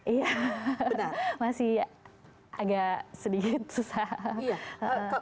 iya masih agak sedikit susah